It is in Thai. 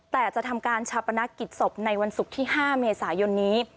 แต่จะทำการชาปนักกิจศพในวันศุกร์ที่๕เมษายนนี้